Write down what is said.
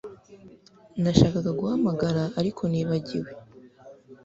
Nashakaga guhamagara ariko nibagiwe